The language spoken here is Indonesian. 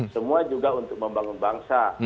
semua juga untuk membangun bangsa